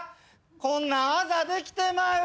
こんなんあざできてまう。